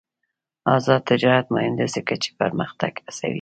آزاد تجارت مهم دی ځکه چې پرمختګ هڅوي.